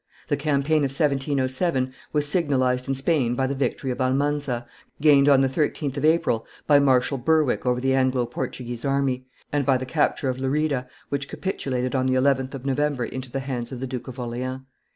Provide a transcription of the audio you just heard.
The campaign of 1707 was signalized in Spain by the victory of Almanza, gained on the 13th of April by Marshal Berwick over the Anglo Portuguese army, and by the capture of Lerida, which capitulated on the 11th of November into the hands of the Duke of Orleans.